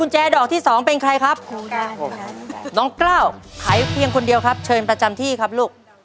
น้องกล้าวขายเพียงคนเดียวครับเชิญประจำที่ครับลูก